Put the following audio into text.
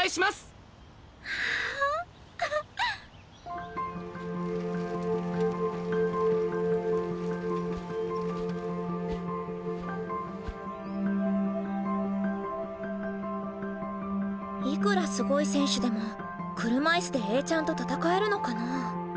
心の声いくらすごい選手でも車いすでエーちゃんと戦えるのかな。